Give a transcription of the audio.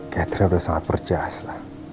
catherine udah sangat berjasa